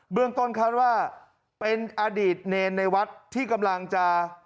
เรื่องต้นคาดว่าเป็นอดีตเนรในวัดที่กำลังจะ